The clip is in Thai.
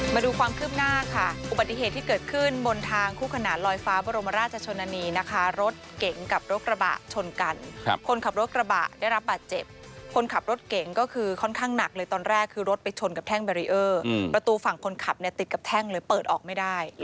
มาดูความคืบหน้าค่ะ